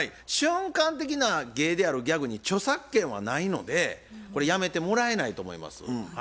瞬間的な芸であるギャグに著作権はないのでこれやめてもらえないと思います。